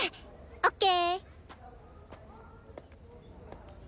ＯＫ！